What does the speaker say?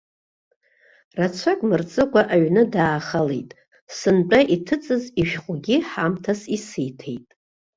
Рацәак мырҵыкәа аҩны даахалеит, сынтәа иҭыҵыз ишәҟәгьы ҳамҭас исиҭеит.